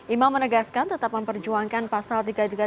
imam menegaskan tetapan perjuangkan pasal tiga ratus tiga puluh delapan